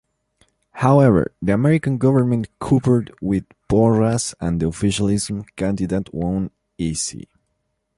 However, the American Government coopered with Porras and the officialism candidate won easy.